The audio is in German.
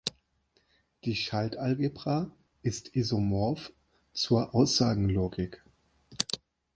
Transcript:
Die Schaltalgebra ist isomorph zur Aussagenlogik.